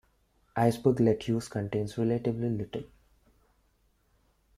Iceberg lettuce contains relatively little.